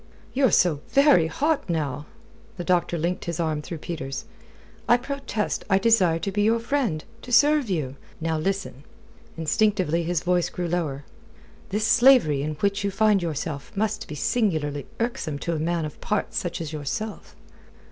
"You're so very hot, now!" The doctor linked his arm through Peter's. "I protest I desire to be your friend to serve you. Now, listen." Instinctively his voice grew lower. "This slavery in which you find yourself must be singularly irksome to a man of parts such as yourself."